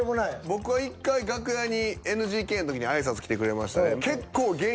僕は１回楽屋にＮＧＫの時に挨拶来てくれましたね。